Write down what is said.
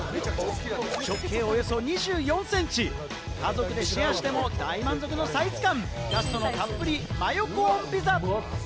直径およそ２４センチ、家族でシェアしても大満足のサイズ感、ガストのたっぷりマヨコーンピザ。